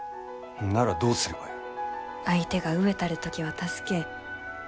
ならどうすればよい。